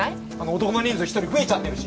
男の人数一人増えちゃってるし！